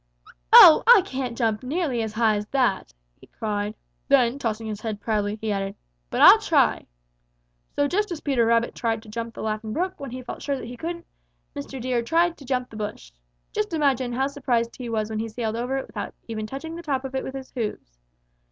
"'Oh, I can't jump nearly as high as that!' he cried. Then tossing his head proudly, he added, 'But I'll try.' So just as Peter Rabbit tried to jump the Laughing Brook when he felt sure that he couldn't, Mr. Deer tried to jump the bush. Just imagine how surprised he was when he sailed over it without even touching the top of it with his hoofs!